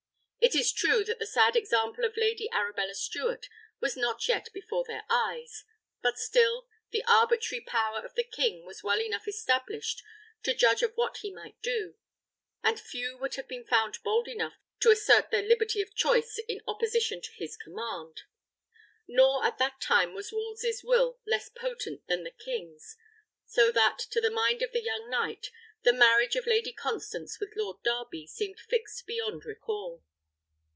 It is true that the sad example of Lady Arabella Stuart was not yet before their eyes; but still, the arbitrary power of the king was well enough established to judge of what he might do, and few would have been found bold enough to assert their liberty of choice in opposition to his command. Nor at that time was Wolsey's will less potent than the king's; so that, to the mind of the young knight, the marriage of Lady Constance with Lord Darby seemed fixed beyond recall.